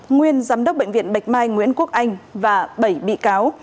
nguyên giám đốc bệnh viện bạch mai nguyễn quốc anh và bảy bị cáo